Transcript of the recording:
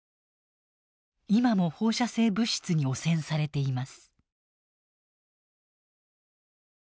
今も放射性物質に汚染されています。